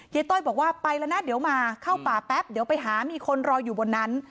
ต้อยบอกว่าไปแล้วนะเดี๋ยวมาเข้าป่าแป๊บเดี๋ยวไปหามีคนรออยู่บนนั้น